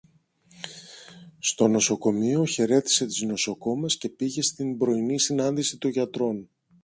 Στο νοσοκομείο χαιρέτισε τις νοσοκόμες και πήγε στην πρωινή συνάντηση των γιατρών